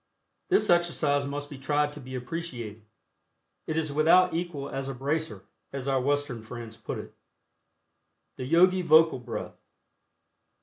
This exercise must be tried to be appreciated. It is without equal as a "bracer," as our Western friends put it. THE YOGI VOCAL BREATH.